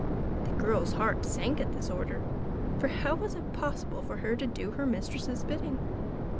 The girl's heart sank at this order; for how was it possible for her to do her mistress's bidding?